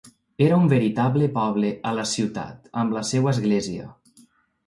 Era un veritable poble a la ciutat, amb la seva església.